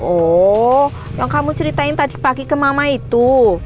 oh yang kamu ceritain tadi pagi ke mama itu